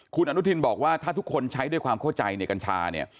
คุณอนุทินบอกว่าถ้าทุกคนใช้ด้วยความเข้าใจในกัญชาเนี่ย